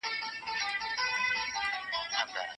موږ به د دوبي په رخصتیو کي کار کوو.